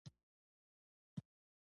د دانګام ځنګلونه ګڼ دي